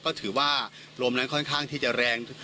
ก็ถือว่าลมนั้นค่อนข้างที่จะแรง